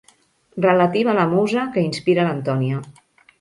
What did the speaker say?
Relativa a la musa que inspira l'Antònia.